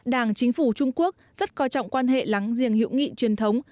đảng chính phủ trung quốc rất coi trọng quan hệ lắng giềng hiệu nghị truyền thống